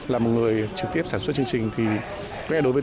là một người trực tiếp sản xuất chương trình thì đối với tôi